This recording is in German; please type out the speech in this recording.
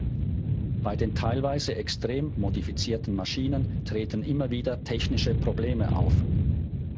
Bei den teilweise extrem modifizierten Maschinen treten immer wieder technische Probleme auf.